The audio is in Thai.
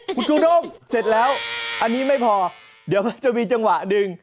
คุณจูด้งเสร็จแล้วอันนี้ไม่พอเดี๋ยวมันจะมีจังหวะดึง